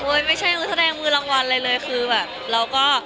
อเรนนี่โอ๊ยไม่ใช่นักแสดงมือรางวัลเลยเลยคือแบบ